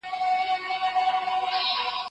د ملکیت حق باید له پامه ونه غورځول سي.